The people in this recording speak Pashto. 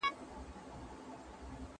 د خيار حق د انسان اراده ساتي.